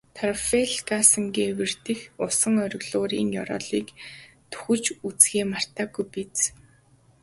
Трафальгарсквер дэх усан оргилуурын ёроолыг төнхөж үзэхээ мартаагүй биз?